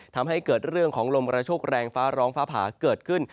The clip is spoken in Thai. ทำให้เกิดเรื่องของลมกระโชคแรงฟ้าร้องฟ้าผ่าเกิดขึ้น